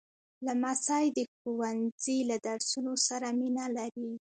لمسی د ښوونځي له درسونو سره مینه لري.